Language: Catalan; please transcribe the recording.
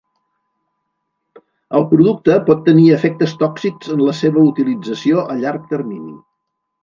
El producte pot tenir efectes tòxics en la seva utilització a llarg termini.